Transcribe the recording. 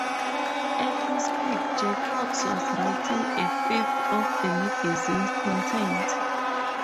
At his peak, Jacobs was writing a fifth of the magazine's content.